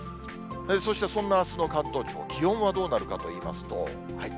そして、そんなあすの関東地方、気温はどうなるかといいますと。